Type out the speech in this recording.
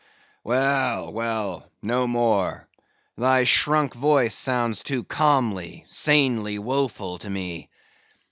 "Well, well; no more. Thy shrunk voice sounds too calmly, sanely woeful to me.